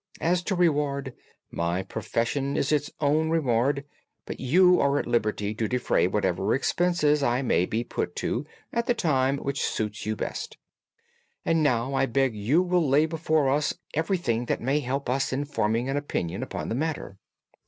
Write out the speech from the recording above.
As to reward, my profession is its own reward; but you are at liberty to defray whatever expenses I may be put to, at the time which suits you best. And now I beg that you will lay before us everything that may help us in forming an opinion upon the matter."